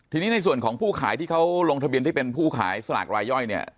ทีนี้ในส่วนของผู้ขายที่เขาลงทะเบียนที่เป็นผู้ขายสลากรายย่อยเนี่ย